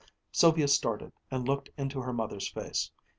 Sylvia started and looked into her mother's face.